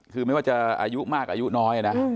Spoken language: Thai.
คือไม่ว่าจะอายุมากอายุน้อยนะ